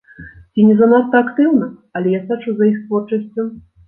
Ці не занадта актыўна, але я сачу за іх творчасцю.